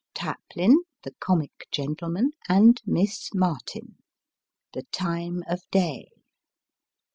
Taplin (the comic gentleman) and Miss Martin " The Time of Day."